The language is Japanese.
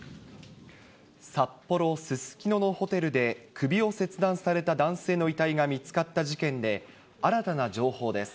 札幌・すすきののホテルで、首を切断された男性の遺体が見つかった事件で、新たな情報です。